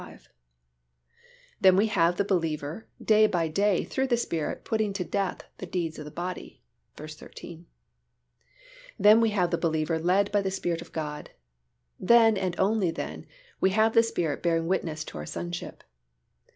5); then we have the believer day by day through the Spirit putting to death the deeds of the body (v. 13); then we have the believer led by the Spirit of God; then and only then, we have the Spirit bearing witness to our sonship.